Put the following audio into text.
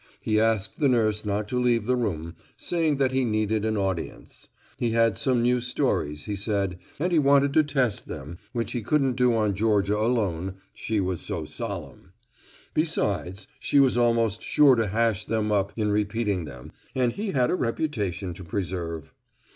He asked the nurse not to leave the room, saying that he needed an audience. He had some new stories, he said, and he wanted to test them, which he couldn't do on Georgia alone, she was so solemn. Besides, she was almost sure to hash them up in repeating them, and he had a reputation to preserve.